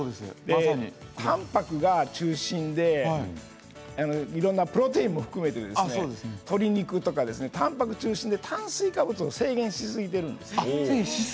たんぱくが中心でプロテインも含めて鶏肉とかたんぱくが中心で炭水化物を制限しすぎているんです。